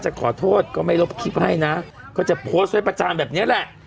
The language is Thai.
จะขอโทษก็ไม่รบคลิปให้นะก็จะโพสผ้าประจำแบบนี้แหละ